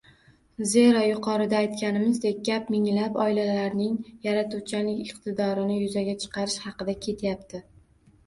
Zero, yuqorida aytganimizdek, gap minglab oilalarning yaratuvchanlik iqtidorini yuzaga chiqarish haqida ketyapti.